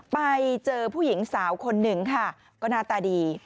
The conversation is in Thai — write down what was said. ไปเจอผู้หญิงสาวคนหนึ่งค่ะก็หน้าตาดี